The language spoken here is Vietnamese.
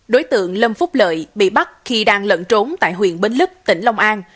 đối tượng lâm phúc lợi bị bắt khi đang lận trốn tại huyện bến lức tỉnh long an